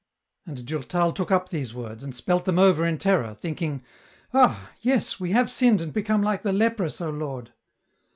And Durtal took up these words, and spelt them over in terror, thinking, " Ah I yes, we have sinned and become like the leprous, O Lord